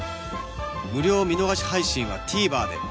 無料見逃し配信は ＴＶｅｒ で